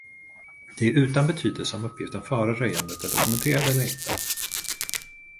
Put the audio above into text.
Det är utan betydelse om uppgiften före röjandet är dokumenterad eller inte.